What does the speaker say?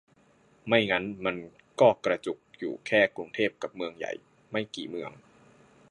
ไม่งั้นมันก็กระจุกอยู่แค่กรุงเทพกับเมืองใหญ่ไม่กี่เมือง